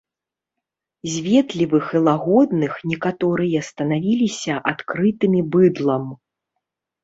З ветлівых і лагодных некаторыя станавіліся адкрытымі быдлам.